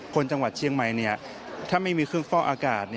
คนจังหวัดเชียงใหม่ถ้าไม่มีเครื่องฟอกอากาศ